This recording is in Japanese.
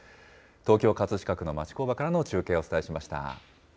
東京・葛飾区の町工場からの中継をお伝えしました。